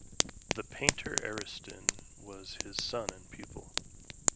The painter Ariston was his son and pupil.